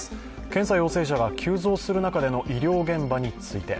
検査陽性者が急増する中での医療現場について。